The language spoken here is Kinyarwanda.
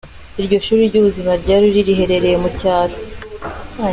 Iryo shuri ry’ubuzima rya Ruli riherereye mu cyaro.